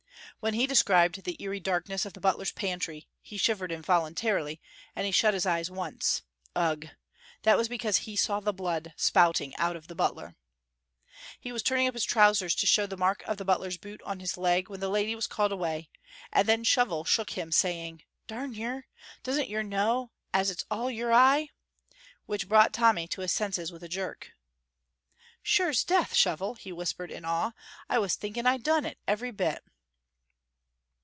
When he described the eerie darkness of the butler's pantry, he shivered involuntarily, and he shut his eyes once ugh! that was because he saw the blood spouting out of the butler. He was turning up his trousers to show the mark of the butler's boot on his leg when the lady was called away, and then Shovel shook him, saying: "Darn yer, doesn't yer know as it's all your eye?" which brought Tommy to his senses with a jerk. "Sure's death, Shovel," he whispered, in awe, "I was thinking I done it, every bit!"